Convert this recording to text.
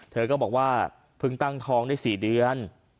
เธอก็บอกว่าเพิ่งตั้งท้องได้๔เดือน